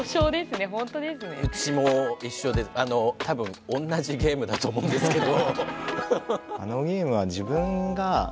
うちも一緒で多分同じゲームだと思うんですけど。